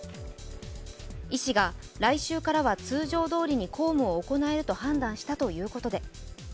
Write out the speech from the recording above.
医師が、来週からは通常どおりに公務を行えると判断したというこ